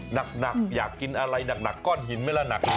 หนักอยากกินอะไรหนักก้อนหินไหมล่ะหนัก